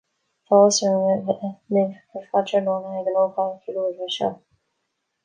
Tá áthas orm a bheith libh ar fad tráthnóna ag an ócáid cheiliúrtha seo